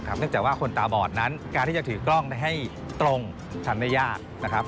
ซึ่งแต่ว่าคนตาบอดนั้นการที่จะถือกล้องให้ตรงทันได้ยาก